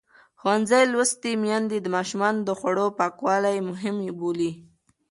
ښوونځې لوستې میندې د ماشومانو د خوړو پاکوالی مهم بولي.